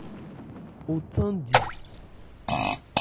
O thándi.